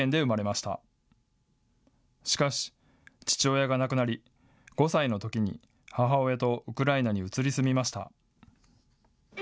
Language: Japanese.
しかし父親が亡くなり５歳のときに母親とウクライナに移り住みました。